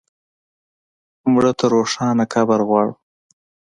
مړه ته روښانه قبر غواړو